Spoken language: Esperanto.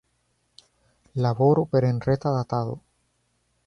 Laboro por enreta datado.